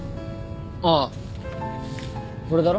ああこれだろ？